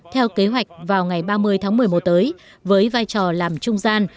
theo kế hoạch vào ngày ba mươi tháng một mươi một tới với vai trò làm trung gian